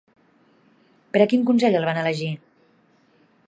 Per a quin consell el van elegir?